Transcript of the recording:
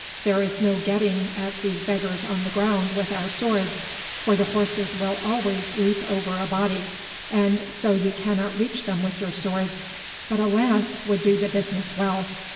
There is no getting at these beggars on the ground with our swords, for the horses will always leap over a body, and so you cannot reach them with your swords; but a lance would do the business well.